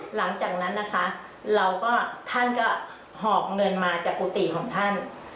หลังจากนั้นนะคะเราก็ท่านก็หอบเงินมาจากกุฏิของท่าน